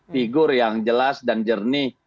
figur yang jelas dan jernih